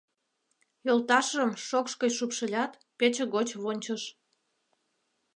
Йолташыжым шокш гыч шупшылят, пече гоч вончыш.